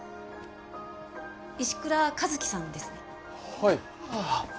はい。